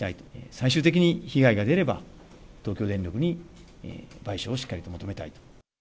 最終的に被害が出れば、東京電力に賠償をしっかりと求めたいと。